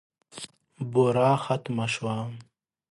بوره ختمه شوه .